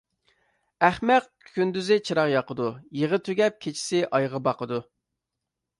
ئەخمەق كۈندۈزى چىراغ ياقىدۇ، يېغى تۈگەپ كېچىسى ئايغا باقىدۇ.